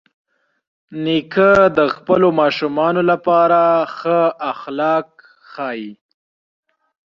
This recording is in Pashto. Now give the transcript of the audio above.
نیکه د خپلو ماشومانو لپاره ښه اخلاق ښيي.